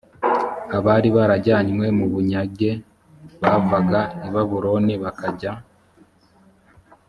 abari barajyanywe mu bunyage l bavaga i babuloni bakajya